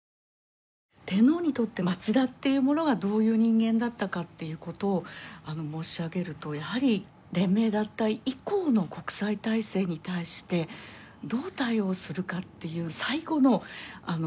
天皇にとって松田っていう者がどういう人間だったかっていうことを申し上げるとやはり連盟脱退以降の国際体制に対してどう対応するかっていう。